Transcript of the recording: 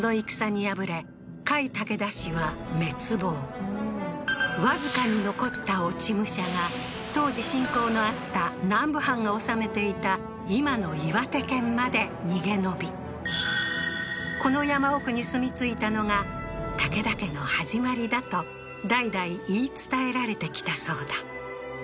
そのわずかに残った落武者が当時親交のあった南部藩が治めていた今の岩手県まで逃げ延びこの山奥に住み着いたのが武田家の始まりだと代々言い伝えられてきたそうだ